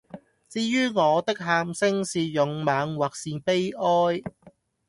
至于我的喊聲是勇猛或是悲哀，